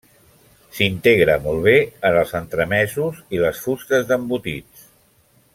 S'integra molt bé en els entremesos i les fustes d'embotits.